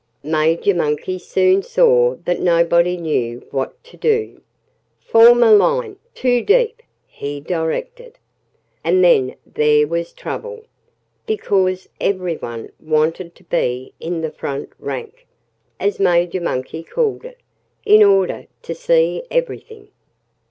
Major Monkey soon saw that nobody knew what to do. "Form a long line, two deep!" he directed. And then there was trouble, because everyone wanted to be in the front rank (as Major Monkey called it) in order to see everything.